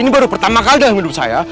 ini baru pertama kali dalam hidup saya